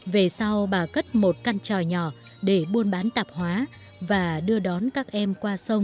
về sau bà cất một căn trò nhỏ để buôn bán tạp hóa và đưa đón các em qua sông